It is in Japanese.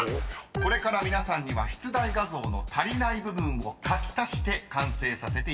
［これから皆さんには出題画像の足りない部分を描き足して完成させていただきます］